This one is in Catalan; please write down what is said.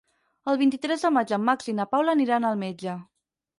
El vint-i-tres de maig en Max i na Paula aniran al metge.